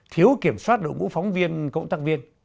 thiếu kiểm soát đội ngũ phóng viên cộng tác viên